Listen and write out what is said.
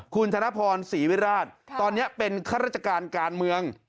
คุณธนพรศรีวิราชตอนนี้เป็นข้าราชการการเมือง